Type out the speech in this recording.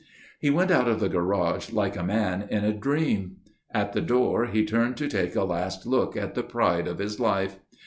He went out of the garage like a man in a dream. At the door he turned to take a last look at the Pride of his Life.